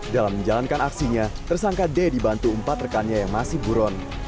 dalam menjalankan aksinya tersangka d dibantu empat rekannya yang masih buron